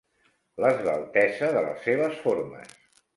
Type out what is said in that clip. L'esveltesa de les seves formes.